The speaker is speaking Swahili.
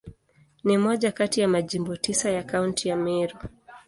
Ni moja kati ya Majimbo tisa ya Kaunti ya Meru.